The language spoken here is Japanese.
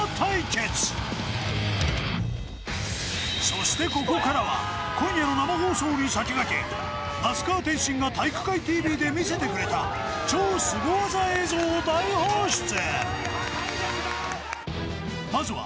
そして、ここからは今夜の生放送に先駆け、那須川天心が「体育会ＴＶ」で見せてくれた超凄技映像を大放出。